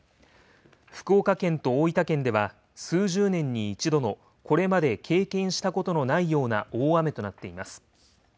福岡県と大分県では、数十年に一度のこれまで経験したことのないような大雨となっています。